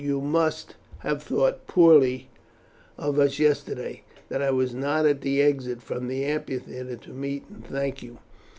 You must have thought poorly of us yesterday that I was not at the exit from the amphitheatre to meet and thank you.